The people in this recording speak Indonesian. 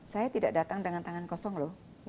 saya tidak datang dengan tangan kosong loh